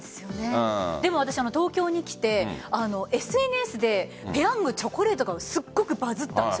でも私、東京に来てＳＮＳでペヤングチョコレートがすっごくバズったんです。